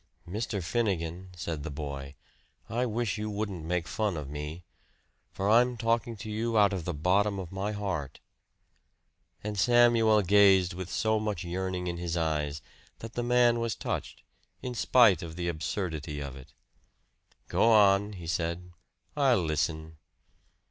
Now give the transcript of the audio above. "Mr. Finnegan," said the boy, "I wish you wouldn't make fun of me. For I'm talking to you out of the bottom of my heart." And Samuel gazed with so much yearning in his eyes that the man was touched, in spite of the absurdity of it. "Go on," he said. "I'll listen."